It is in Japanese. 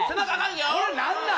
これ、何なん？